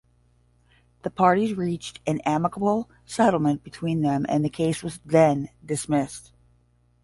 The parties reached an amicable settlement between them and the case was then dismissed.